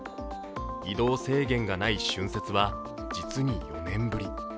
移動制限がない春節は実に４年ぶり。